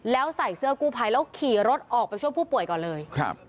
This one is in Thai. แล้วใส่เสื้อกู้ภัยแล้วขี่รถออกไปช่วยผู้ป่วยก่อนเลยครับ